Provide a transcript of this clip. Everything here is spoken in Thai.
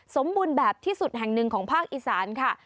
สมบูรณ์แบบที่สุดแห่งหนึ่งของภาคอีสานค่ะ